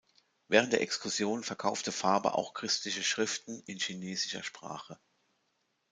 Während der Exkursion verkaufte Faber auch christliche Schriften in chinesischer Sprache.